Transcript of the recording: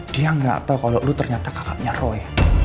dia gak tau kalau lo ternyata kakaknya roy